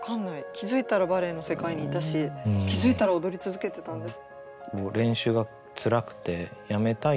気付いたらバレエの世界にいたし気付いたら踊り続けてたんです。